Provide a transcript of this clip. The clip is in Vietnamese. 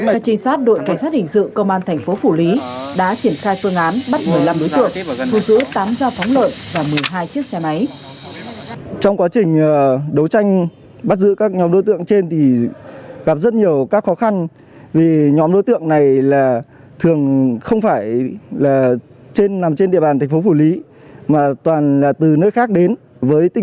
các trinh sát đội cảnh sát hình sự công an tp phủ lý đã triển khai phương án bắt một mươi năm đối tượng